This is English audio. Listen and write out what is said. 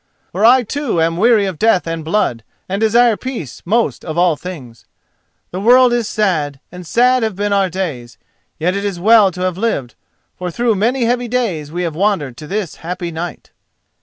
"For I too am weary of death and blood, and desire peace most of all things. The world is sad, and sad have been our days. Yet it is well to have lived, for through many heavy days we have wandered to this happy night."